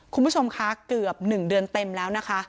คุณผู้ชมคะเกือบ๑เดือนเต็มแล้วนะคะ